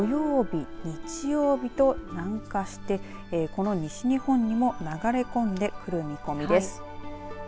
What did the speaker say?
土曜日、日曜日と南下してこの西日本にも流れ込んでくる見込みです。